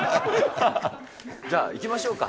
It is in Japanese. じゃあ、行きましょうか。